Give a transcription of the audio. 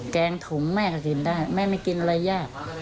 แกงถุงแม่ก็กินได้แม่ไม่กินอะไรยาก